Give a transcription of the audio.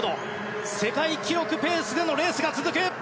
世界記録ペースでのレースが続く。